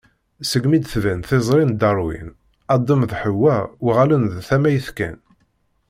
Segmi d-tban tiẓri n Darwin, Adem d Ḥewwa uɣalen d tamayt kan.